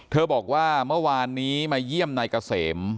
บอกว่าเมื่อวานนี้มาเยี่ยมนายเกษม